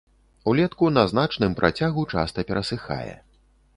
Улетку на значным працягу часта перасыхае.